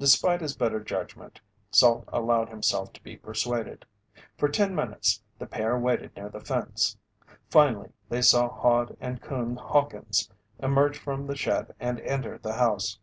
Despite his better judgment, Salt allowed himself to be persuaded. For ten minutes the pair waited near the fence. Finally they saw Hod and Coon Hawkins emerge from the shed and enter the house.